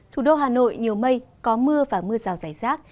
thủ đô hà nội nhiều mây có mưa và mưa rào rải rác